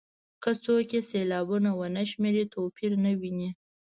که څوک یې سېلابونه ونه شمېري توپیر نه ویني.